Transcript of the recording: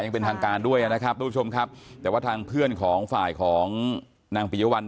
ยังเป็นทางการด้วยนะครับทุกผู้ชมครับแต่ว่าทางเพื่อนของฝ่ายของนางปิยวัล